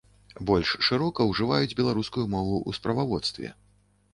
Больш шырока ўжываць беларускую мову ў справаводстве.